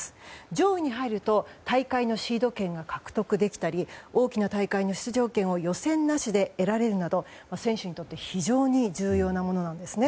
上位に入ると大会のシード権が獲得できたり大きな大会の出場権を予選なしで得られるなど選手にとって非常に重要なものなんです。